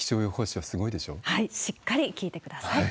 はい、しっかり聞いてください。